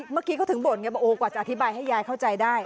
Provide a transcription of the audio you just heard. เมื่อกี้เขาถึงบ่นไงบอกโอ้กว่าจะอธิบายให้ยายเข้าใจได้